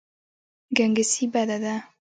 ګنګسي بده ده.